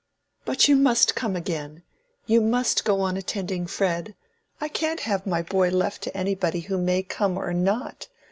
"But you must come again—you must go on attending Fred. I can't have my boy left to anybody who may come or not.